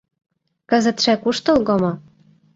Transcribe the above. Кызытше куштылго мо?